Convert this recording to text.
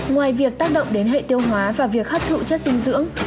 ngoài việc tác động đến hệ tiêu hóa và việc hấp thụ chất dinh dưỡng